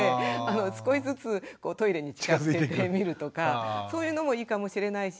少しずつトイレに近づけてみるとかそういうのもいいかもしれないし。